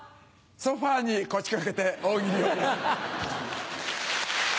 ソファに腰掛けて大喜利をやる。